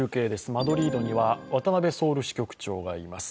マドリードには渡辺支局長がいます。